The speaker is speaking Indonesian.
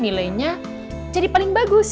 nilainya jadi paling bagus